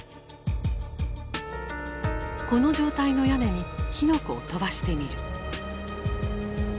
この状態の屋根に火の粉を飛ばしてみる。